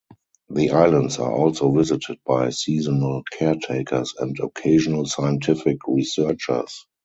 The islands are also visited by seasonal caretakers and occasional scientific researchers.